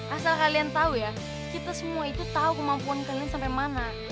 asal kalian tahu ya kita semua itu tahu kemampuan kalian sampai mana